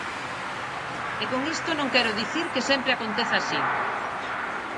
E con isto non quero dicir que sempre aconteza así.